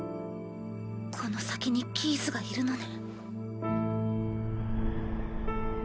この先にキースがいるのね。